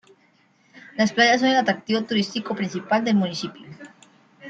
Las playas son el atractivo turístico principal del municipio.